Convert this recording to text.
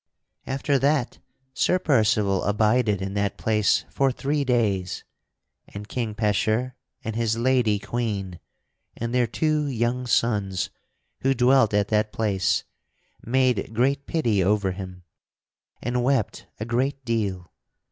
After that Sir Percival abided in that place for three days, and King Pecheur and his lady Queen and their two young sons who dwelt at that place made great pity over him, and wept a great deal.